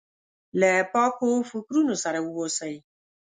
له پاکو فکرونو سره واوسي.